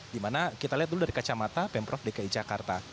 dimana kita lihat dulu dari kacamata pemprov dki jakarta